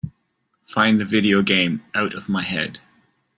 Find the video game Out of My Head